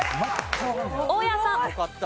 大家さん。